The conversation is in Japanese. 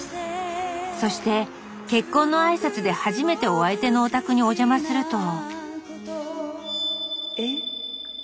そして結婚の挨拶で初めてお相手のお宅にお邪魔すると。